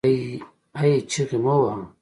هې ! چیغې مه واهه